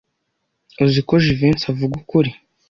Uzi ko Jivency avuga ukuri.